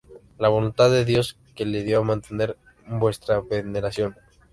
La voluntad de Dios, que le dio, a mantener nuestra veneración.